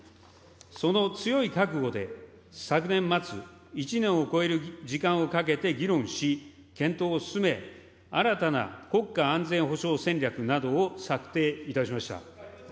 その強い覚悟で、昨年末、１年を超える時間をかけて議論し、検討を進め、新たな国家安全保障戦略などを策定いたしました。